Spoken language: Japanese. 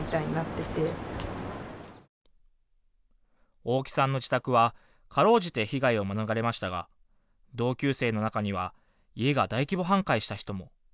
大木さんの自宅はかろうじて被害を免れましたが同級生の中には家が大規模半壊した人も。